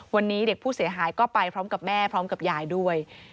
วันนี้เด็กผู้เสียหายก็ไปพร้อมกับแม่พร้อมกับยายด้วย